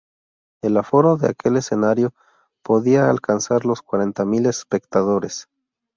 El aforo de aquel escenario podía alcanzar los cuarenta mil espectadores.